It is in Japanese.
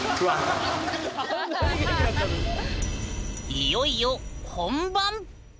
いよいよ本番！